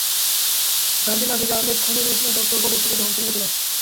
গাজী নাফিস আহমেদ খনির উষ্ণ তথ্য প্রদর্শনীতে অংশ নিয়েছিলেন।